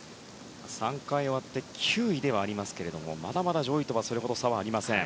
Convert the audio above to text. ３回終わって９位ではありますがまだまだ上位とはそれほど差がありません。